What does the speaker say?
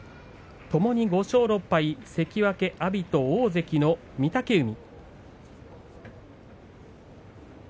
ともに５勝６敗関脇阿炎と大関の御嶽海。